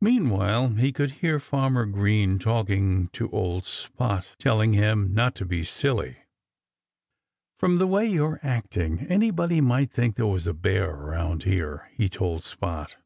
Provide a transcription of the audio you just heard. Meanwhile he could hear Farmer Green talking to old Spot, telling him not to be silly. "From the way you're acting anybody might think there was a bear around here," he told Spot.